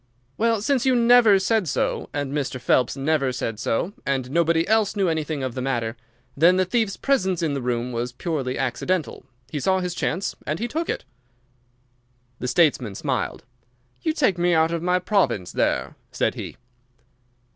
"Well, since you never said so, and Mr. Phelps never said so, and nobody else knew anything of the matter, then the thief's presence in the room was purely accidental. He saw his chance and he took it." The statesman smiled. "You take me out of my province there," said he.